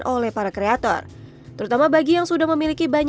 selepas penontonan anda berkembang